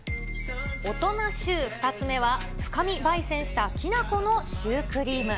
大人シュー、２つ目は深み焙煎したきな粉のシュークリーム。